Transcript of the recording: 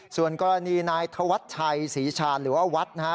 ส่วนกรณีนายธวัชชัยศรีชาญหรือว่าวัดนะฮะ